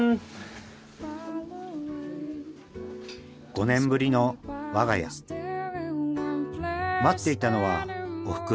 ５年ぶりの我が家待っていたのはおふくろの味。